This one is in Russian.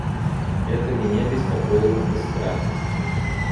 Это меня беспокоило бы страх.